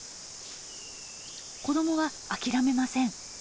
子どもは諦めません。